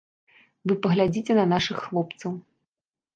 Вы паглядзіце на нашых хлопцаў.